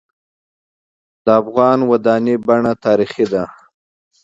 د افغان معماری بڼه تاریخي ده.